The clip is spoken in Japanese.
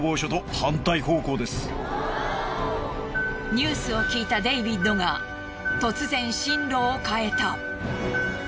ニュースを聞いたデイビッドが突然進路を変えた。